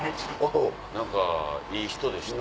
何かいい人でした。